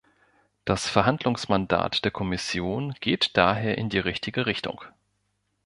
Das Verhandlungsmandat der Kommission geht daher in die richtige Richtung.